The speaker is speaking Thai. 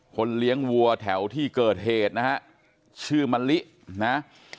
เลี้ยงวัวแถวที่เกิดเหตุนะฮะชื่อมะลินะ